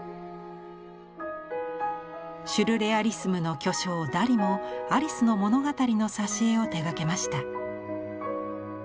シュルレアリスムの巨匠ダリもアリスの物語の挿絵を手がけました。